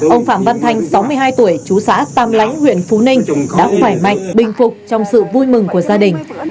ông phạm văn thanh sáu mươi hai tuổi chú xã tam lãnh huyện phú ninh đã khỏe mạnh bình phục trong sự vui mừng của gia đình